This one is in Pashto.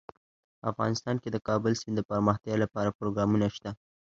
افغانستان کې د کابل سیند دپرمختیا لپاره پروګرامونه شته.